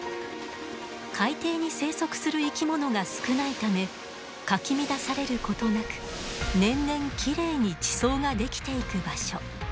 海底に生息する生き物が少ないためかき乱されることなく年々きれいに地層が出来ていく場所。